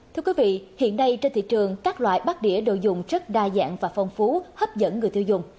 thưa quý vị hiện nay trên thị trường các loại bát đĩa đồ dùng rất đa dạng và phong phú hấp dẫn người tiêu dùng